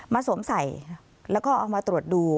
สวมใส่แล้วก็เอามาตรวจดู